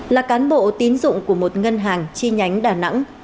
là cán bộ tín dụng của một ngân hàng chi nhánh đà nẵng